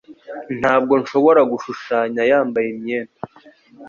Ntabwo nshobora gushushanya yambaye imyenda.